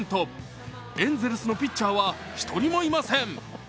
エンゼルスのピッチャーは一人もいません。